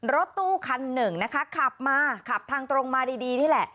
รถตู้คันหนึ่งนะคะขับมาขับทางตรงมาดีนี่แหละ